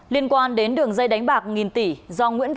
liên quan đến đường dây đánh bạc nghìn tỷ